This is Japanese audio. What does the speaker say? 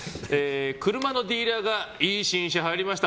車のディーラーがいい新車、入りました。